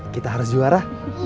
kita harus juara